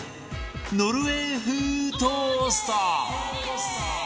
ノルウェー風トースト